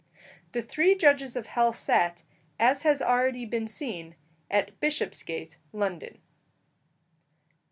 The three judges of hell sat, as has already been seen, at Bishopsgate, London.